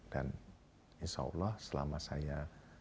dan insya allah selama saya